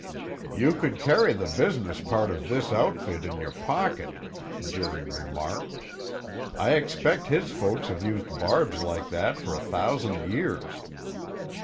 "You could carry the business part of his outfit in your pocket," Deering remarked. "I expect his folks have used barbs like that for a thousand years.